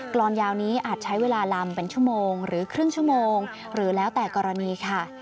รอนยาวนี้อาจใช้เวลาลำเป็นชั่วโมงหรือครึ่งชั่วโมงหรือแล้วแต่กรณีค่ะ